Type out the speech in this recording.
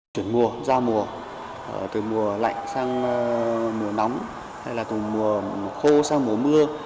chuyển mùa giao mùa từ mùa lạnh sang mùa nóng hay là từ mùa khô sang mùa mưa